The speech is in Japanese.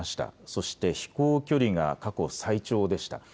そして飛行距離が過去最長でした。